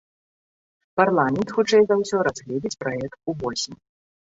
Парламент, хутчэй за ўсё, разгледзіць праект увосень.